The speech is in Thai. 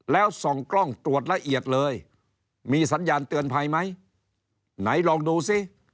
แล้วส่องกล้องตรวจละเอียดเลยมีสัญญาณเตือนภัยไหมไหนลองดูซิ